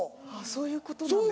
そういうことなんですか。